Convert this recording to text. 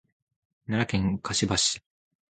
奈良県香芝市